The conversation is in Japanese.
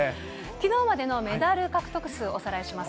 きのうまでのメダル獲得数、おさらいします。